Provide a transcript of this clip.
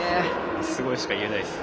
すごいしか言えないっす